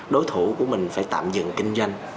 đối thủ của mình phải tạm dừng kinh doanh